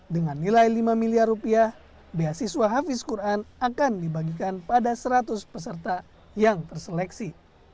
dengan nilai lima miliar rupiah beasiswa hafiz quran akan dibagikan pada seratus peserta yang terseleksi